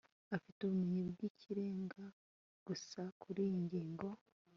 afite ubumenyi bwikirenga gusa kuriyi ngingo